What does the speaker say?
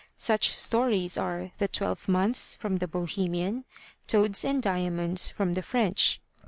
Such stories are The Twelve Months, from the Bohemian, Toads and Diamonds, from the French.